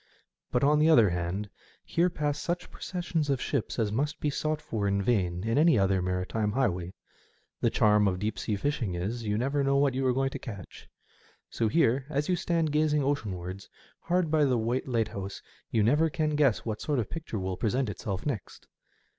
But, on the other hand, here pass such processions of ships as must be sought for in vain in any other maritime highway. The charm of deep sea fishing is, you never know what you are going to catch. So here, as you stand gazing oceanwards, hard by the white Lighthouse, you never can guess what sort of picture will present itself next.